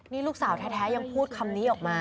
นี่ลูกสาวแท้ยังพูดคำนี้ออกมา